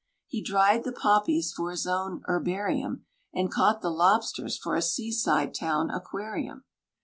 He dried the poppies for his own herbarium, And caught the Lobsters for a seaside town aquarium.